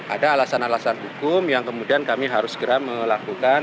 ada alasan alasan hukum yang kemudian kami harus segera melakukan